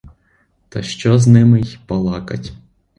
Та що з ними й балакать!